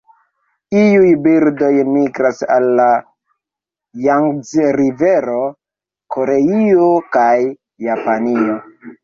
Iuj birdoj migras al la Jangzi-rivero, Koreio, kaj Japanio.